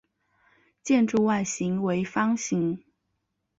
建筑外形为方形。